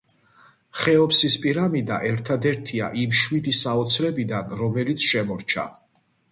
ხეოფსის პირამიდა ერთადერთია იმ შვიდი საოცრებიდან, რომელიც შემორჩა.